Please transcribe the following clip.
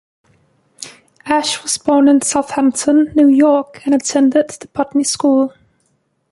Asch was born in Southampton, New York and attended The Putney School.